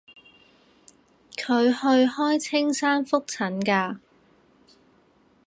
佢去開青山覆診㗎